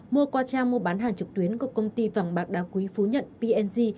mua qua trang mua bán hàng trực tuyến của công ty vàng bạc đa quý phú nhận png